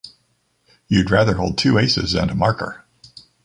You'd rather hold two aces and a maker.